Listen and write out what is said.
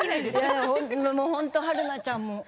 本当、春菜ちゃん